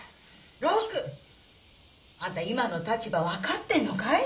・六！あんた今の立場分かってんのかい！？